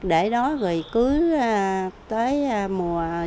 để đó người cứ tới mùa